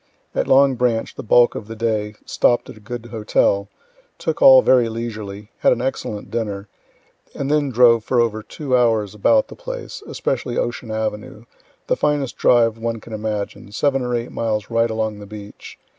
At Long Branch the bulk of the day, stopt at a good hotel, took all very leisurely, had an excellent dinner, and then drove for over two hours about the place, especially Ocean avenue, the finest drive one can imagine, seven or eight miles right along the beach.